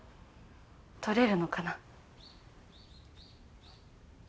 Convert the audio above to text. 撮れるのかな。